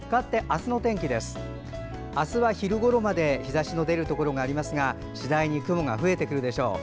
明日は昼ごろまで日ざしの出るところがありますが次第に雲が増えてくるでしょう。